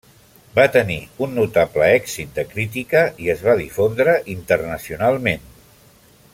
Va tenir un notable èxit de crítica i es va difondre internacionalment.